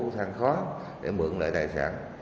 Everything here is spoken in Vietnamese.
thang khó để mượn lại tài sản